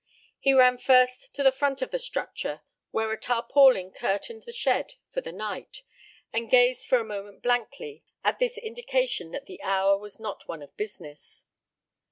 He ran first to the front of the structure, where a tarpaulin curtained the shed for the night, and gazed for a moment blankly at this indication that the hour was not one of business.